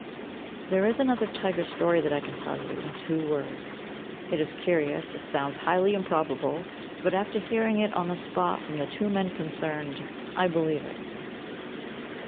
There is another tiger story that I can tell you in two words. It is curious, it sounds highly improbable; but, after hearing it on the spot from the two men concerned, I believe it.